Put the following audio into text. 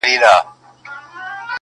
شمع به اوس څه وايی خوله نه لري -